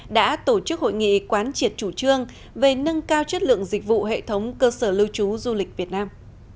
đã tổ chức hội nghị quán triệt chủ trương về nâng cao chất lượng dịch vụ hệ thống cơ sở lưu trú du lịch việt nam